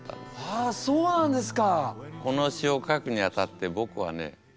はあそうなんですか！